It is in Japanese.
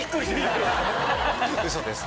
ウソです。